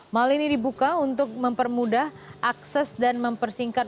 mal ini dibuka untuk mempermudah akses dan mempersingkat